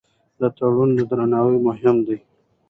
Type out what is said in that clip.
د تړون درناوی مهم دی.